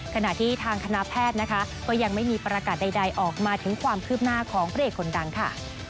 ขณะที่ทางคณะแพทย์นะคะก็ยังไม่มีประกาศใดออกมาถึงความคืบหน้าของพระเอกคนดังค่ะ